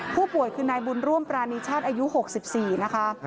ผู้ป่วยคือนายบุญร่วมปรานีชาติอายุ๖๔นะคะ